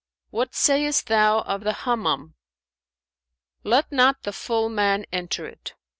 what sayest thou of the Hammam?" "Let not the full man enter it.